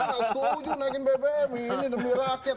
nggak setuju naikin bbm ini demi rakyat